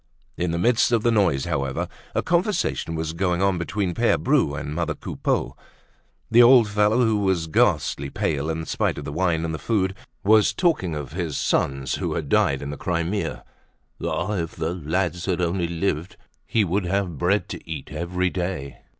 In the midst of the noise, however, a conversation was going on between Pere Bru and mother Coupeau. The old fellow, who was ghastly pale in spite of the wine and the food, was talking of his sons who had died in the Crimea. Ah! if the lads had only lived, he would have had bread to eat every day.